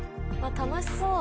楽しそう！